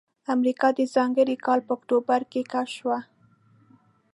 امریکا د ځانګړي کال په اکتوبر کې کشف شوه.